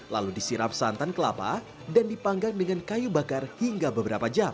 lalu disiram santan kelapa dan dipanggang dengan kayu bakar hingga beberapa jam